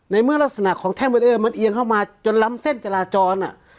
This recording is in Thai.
ในเมื่อลักษณะของแท่งเบรีเออร์มันเอียงเข้ามาจนล้ำเส้นจราจร